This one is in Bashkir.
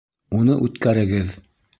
Уны үткәрегеҙ.